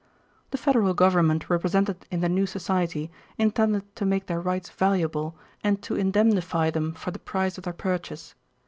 The Federal Government represented in the new Society intended to make their rights valuable and to indemnify them for the price of their purchase.